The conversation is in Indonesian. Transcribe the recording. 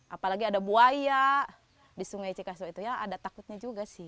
apalagi ada buaya di sungai cikaso itu ya ada takutnya juga sih